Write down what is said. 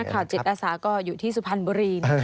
นักข่าวจิตอาสาก็อยู่ที่สุพรรณบรีน